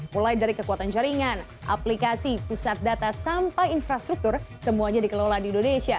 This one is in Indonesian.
mulai dari kekuatan jaringan aplikasi pusat data sampai infrastruktur semuanya dikelola di indonesia